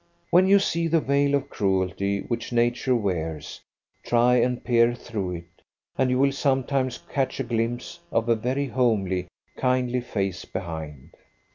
When you see the veil of cruelty which nature wears, try and peer through it, and you will sometimes catch a glimpse of a very homely, kindly face behind.